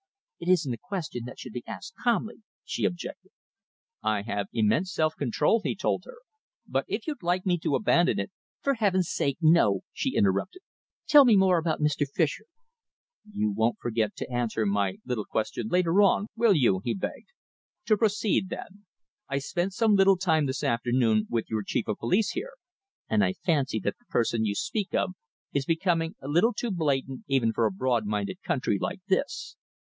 "It isn't a question that should be asked calmly," she objected. "I have immense self control," he told her, "but if you'd like me to abandon it " "For heaven's sake, no!" she interrupted. "Tell me more about Mr. Fischer." "You won't forget to answer my little question later on, will you?" he begged. "To proceed, then. I spent some little time this afternoon with your chief of the police here, and I fancy that the person you speak of is becoming a little too blatant even for a broad minded country like this.